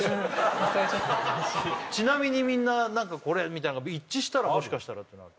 ちなみにみんな「これ」みたいなのが一致したらもしかしたらっていうのはある？